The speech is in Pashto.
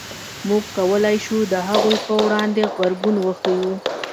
موږ کولای شو د هغوی په وړاندې غبرګون وښیو.